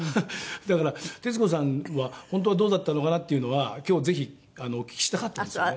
だから徹子さんは本当はどうだったのかなっていうのは今日ぜひお聞きしたかったんですよね。